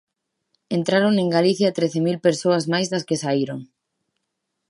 Entraron en Galicia trece mil persoas máis das que saíron.